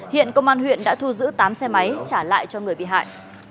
hiện công an huyện đã thu giữ tám xe máy trả lại cho người bị hại